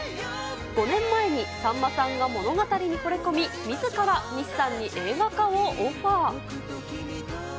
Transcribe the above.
５年前にさんまさんが物語にほれ込み、みずから西さんに映画化をオファー。